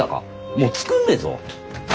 もう作んねえぞ。